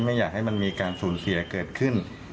ไม่อยากให้มันมีการสูญเสียเกิดขึ้น